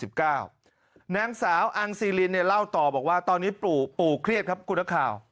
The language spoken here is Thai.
นางสาวอังซีลินเล่าต่อบอกว่าตอนนี้ปู่เครียดครับคุณนักข่าว